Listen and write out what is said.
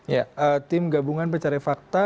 ya tim gabungan pencari fakta